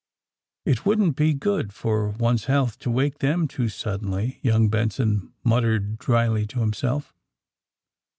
*^It wouldn't be good for one's health to wake them too suddenly," young Benson muttered dryly to himself.